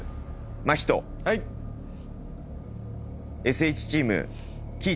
ＳＨチーム貴市。